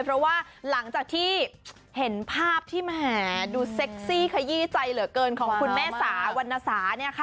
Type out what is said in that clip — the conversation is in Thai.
เพราะว่าหลังจากที่เห็นภาพที่แหมดูเซ็กซี่ขยี้ใจเหลือเกินของคุณแม่สาวรรณสาเนี่ยค่ะ